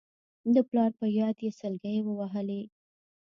د پلار په ياد يې سلګۍ ووهلې.